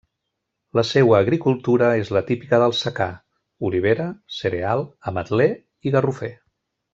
La seua agricultura és la típica del secà: olivera, cereal, ametler i garrofer.